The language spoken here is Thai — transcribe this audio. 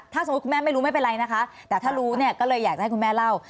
ถ้าสมมุติคุณแม่ไม่รู้ไม่เป็นไรนะคะแต่ถ้ารู้เนี่ยก็เลยอยากจะให้คุณแม่เล่า